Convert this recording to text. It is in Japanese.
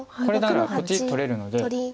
これならこっち取れるので。